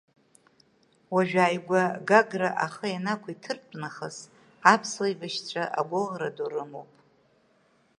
Уажә ааигәа Гагра ахы ианақәиҭыртә нахыс, аԥсуа еибашьцәа агәыӷра ду рымоуп.